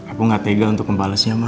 aku gak tega untuk membalasnya mah